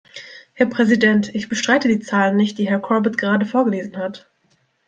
Herr Präsident, ich bestreite die Zahlen nicht, die Herr Corbett gerade vorgelesen hat.